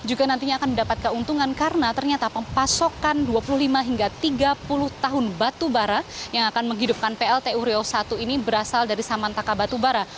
juga nantinya akan mendapat keuntungan karena ternyata pemasokan dua puluh lima hingga tiga puluh tahun batubara yang akan menghidupkan pltu riau i ini berasal dari samantaka batubara